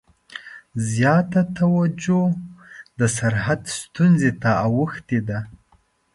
زیاته توجه د سرحد ستونزې ته اوښتې ده.